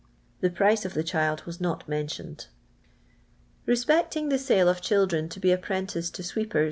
Tlje j>ricj. of the child was not mentioned. lle«pecting the s;»le of children to be appren tices to sweeper.